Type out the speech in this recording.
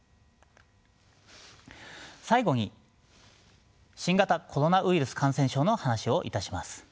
最後に新型コロナウイルス感染症の話をいたします。